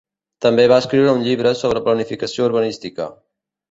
També va escriure un llibre sobre planificació urbanística.